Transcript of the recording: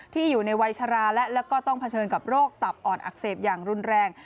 อยู่ในวัยชราและแล้วก็ต้องเผชิญกับโรคตับอ่อนอักเสบอย่างรุนแรง